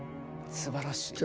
すばらしいね。